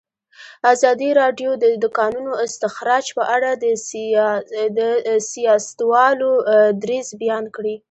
ازادي راډیو د د کانونو استخراج په اړه د سیاستوالو دریځ بیان کړی.